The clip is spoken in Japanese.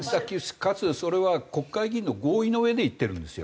かつそれは国会議員の合意のうえで行ってるんですよ。